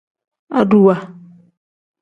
Aduwa.